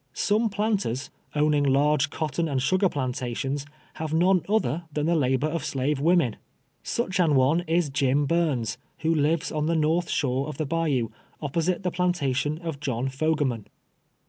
Some planters, owning large cot ton and sugar plantations, have none other than the labor of slave women. Such an one is Jim Burns, who lives on the north shore of the bayou, opposite the plantation of John Fogaman.